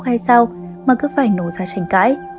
tại sao mà cứ phải nổ ra trảnh cãi